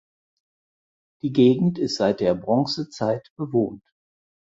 Die Gegend ist seit der Bronzezeit bewohnt.